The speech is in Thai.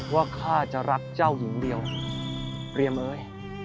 ข้าจะรักเจ้าหญิงเดียวเรียมเอ้ย